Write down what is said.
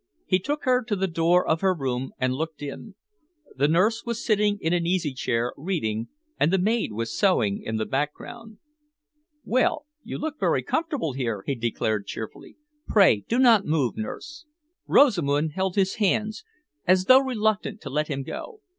He took her to the door of her room and looked in. The nurse was sitting in an easy chair, reading, and the maid was sewing in the background. "Well, you look very comfortable here," he declared cheerfully. "Pray do not move, nurse." Rosamund held his hands, as though reluctant to let him go.